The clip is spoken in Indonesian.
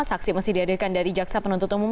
saksi masih dihadirkan dari jaksa penuntut umum